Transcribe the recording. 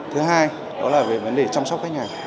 thứ hai đó là về vấn đề chăm sóc khách hàng